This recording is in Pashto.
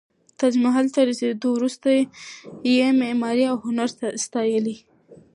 تاج محل ته رسېدو وروسته یې معماري او هنر ستایلی.